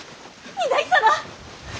御台様。